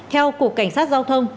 theo cục cảnh sát giao thông